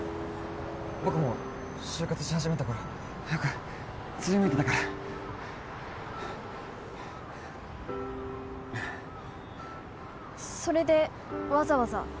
僕も就活し始めた頃よくすりむいてたからそれでわざわざ？